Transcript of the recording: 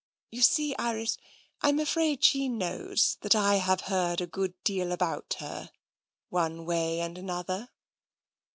You see, Iris, I'm afraid she knows that I have heard a good deal about her, one way and another."